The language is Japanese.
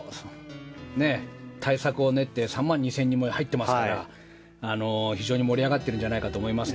対策を練って３万２０００人も入っていますから非常に盛り上がっているんじゃないかなと思います。